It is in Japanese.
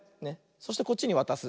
そしてこっちにわたす。